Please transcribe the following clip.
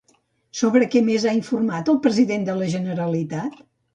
Sobre què més ha informat el president de la Generalitat?